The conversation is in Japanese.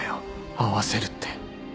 「会わせる」って